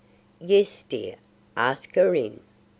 "Yes, dear, ask her in."